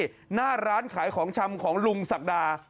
นี่น่าร้านขายของชำลุงศักดา